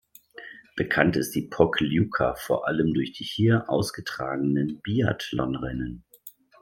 Bekannt ist die Pokljuka vor allem durch die hier ausgetragenen Biathlonrennen.